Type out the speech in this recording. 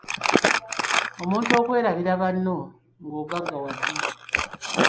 Omuntu okwerabira banno nga ogaggawadde.